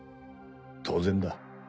当然だ。